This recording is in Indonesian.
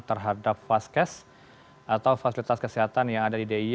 terhadap faskes atau fasilitas kesehatan yang ada di diy